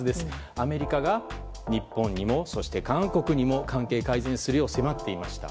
アメリカが日本にもそして、韓国にも関係改善するよう迫っていました。